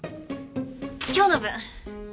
今日の分。